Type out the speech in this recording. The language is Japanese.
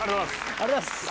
ありがとうございます！